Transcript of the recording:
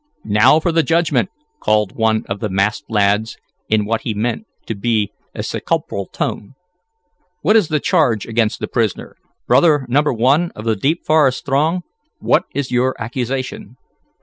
"Now for the judgment!" called one of the masked lads, in what he meant to be a sepulchral tone. "What is the charge against the prisoner? Brother Number One of the Deep Forest Throng, what is your accusation?"